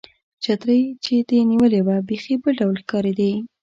چترۍ چې دې نیولې وه، بیخي بل ډول ښکارېدې.